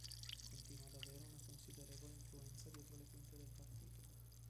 Continua ad avere una considerevole influenza dietro le quinte del partito.